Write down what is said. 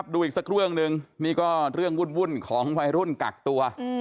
ดูอีกสักเรื่องหนึ่งนี่ก็เรื่องวุ่นของวัยรุ่นกักตัว